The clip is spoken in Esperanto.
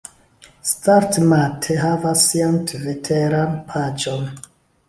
Startmate havas sian Tviteran paĝon